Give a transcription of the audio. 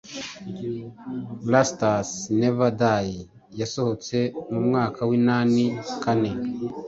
Rastas Never Die yasohotse mu mwaka w’inani kane,